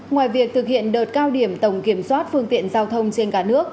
ngoài việc thực hiện đợt cao điểm tổng kiểm soát phương tiện giao thông trên cả nước